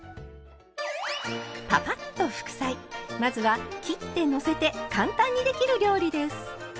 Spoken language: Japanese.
まずは切ってのせて簡単にできる料理です。